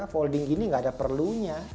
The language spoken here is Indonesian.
folding gini gak ada perlunya